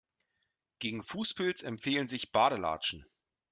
Gegen Fußpilz empfehlen sich Badelatschen.